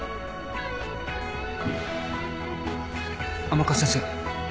甘春先生